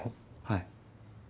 はい。